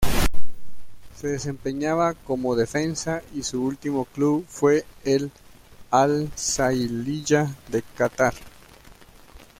Se desempeñaba como defensa y su último club fue el Al-Sailiya de Catar.